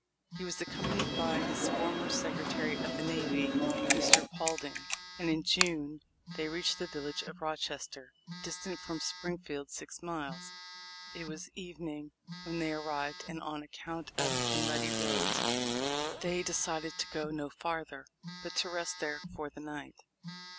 He was accompanied by his former Secretary of the Navy, Mr. Paulding, THE LIFE OF LINCOLN. 263 and in June they reached the village of Rochester, distant from Springfield six miles. It was evening when they arrived, and on account of the muddy roads they decided to go no farther, but to rest there for the night.